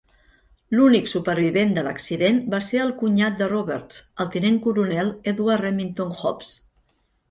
L'únic supervivent de l'accident va ser el cunyat de Roberts, el tinent coronel Edward Remington-Hobbs.